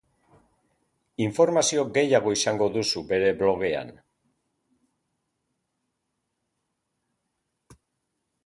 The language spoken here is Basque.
Informazio gehiago izango duzu bere blogean.